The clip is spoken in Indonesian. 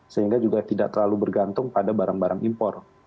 sehingga juga tidak terlalu bergantung pada barang barang impor